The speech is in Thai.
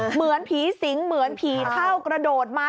เหมือนผีสิงเหมือนผีเข้ากระโดดมา